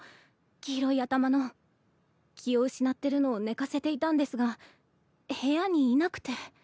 気を失ってるのを寝かせていたんですが部屋にいなくて。